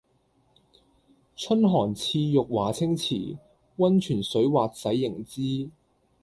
春寒賜浴華清池，溫泉水滑洗凝脂。